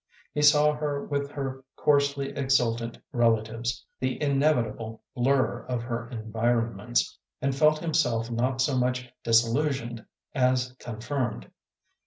He saw her with her coarsely exultant relatives, the inevitable blur of her environments, and felt himself not so much disillusioned as confirmed.